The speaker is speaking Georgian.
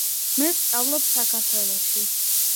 მე ვსწავლობ საქართველოში.